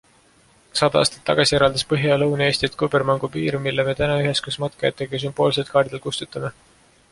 Sada aastat tagasi eraldas Põhja- ja Lõuna-Eestit kubermangupiir, mille me täna üheskoos matkajatega sümboolselt kaardilt kustutame.